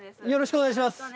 よろしくお願いします。